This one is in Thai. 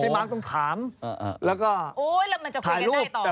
พี่มาร์คต้องถามแล้วก็ถ่ายรูป